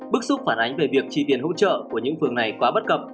bức xúc phản ánh về việc chi tiền hỗ trợ của những phường này quá bất cập